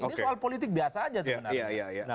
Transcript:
ini soal politik biasa aja sebenarnya